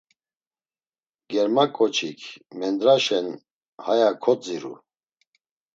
Germaǩoçik mendraşen haya kodziru.